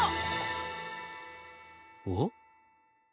おっ？